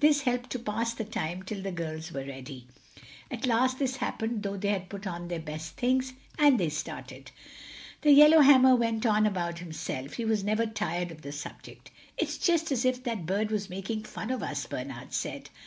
This helped to pass the time till the girls were ready. At last this happened though they had put on their best things, and they started. The yellowhammer went on about himself—he was never tired of the subject. "It's just as if that bird was making fun of us," Bernard said.